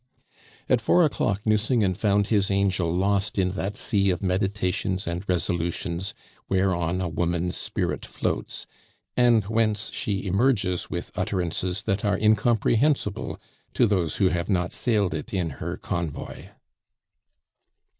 At four o'clock Nucingen found his angel lost in that sea of meditations and resolutions whereon a woman's spirit floats, and whence she emerges with utterances that are incomprehensible to those who have not sailed it in her convoy.